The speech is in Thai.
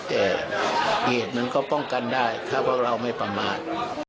แต่เหตุมันก็ป้องกันได้ถ้าพวกเราไม่ประมาท